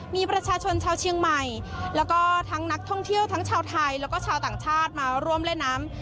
มีประชาชนชาวเชียงใหม่แล้วก็ทั้งนักท่องเที่ยวทั้งชาวไทยแล้วก็ชาวต่างชาติมาร่วมเล่นน้ำ